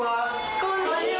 こんにちは。